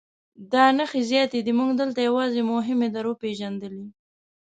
دا نښې زیاتې دي موږ دلته یوازې مهمې در وپېژندلې.